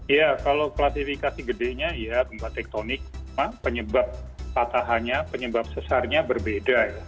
ya kalau klasifikasi gedenya ya gempa tektonik penyebab patahannya penyebab sesarnya berbeda